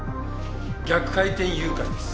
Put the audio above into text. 逆回転誘拐です。